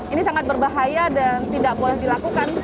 ini sangat berbahaya dan tidak boleh dilakukan